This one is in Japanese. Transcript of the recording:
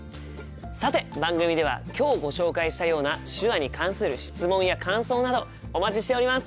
さて番組では今日ご紹介したような手話に関する質問や感想などお待ちしております！